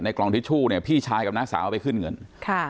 กล่องทิชชู่เนี่ยพี่ชายกับน้าสาวไปขึ้นเงินค่ะ